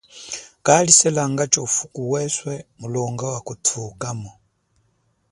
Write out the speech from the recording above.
Kaliselangacho ufuku weswe mulonga wakuthukamo.